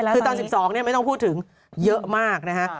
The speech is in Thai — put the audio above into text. คือตอน๑๒ไม่ต้องพูดถึงเยอะมากนะฮะ